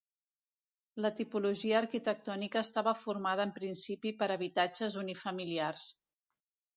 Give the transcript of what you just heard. La tipologia arquitectònica estava formada en principi per habitatges unifamiliars.